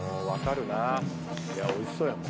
襪福おいしそうやもん。